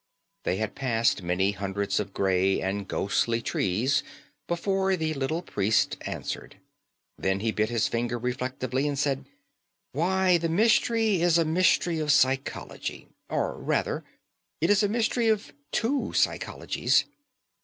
They had passed many hundreds of grey and ghostly trees before the little priest answered. Then he bit his finger reflectively and said: "Why, the mystery is a mystery of psychology. Or, rather, it is a mystery of two psychologies.